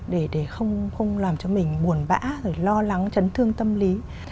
để không làm cho mình buồn bã rồi lo lắng chấn thương tâm lý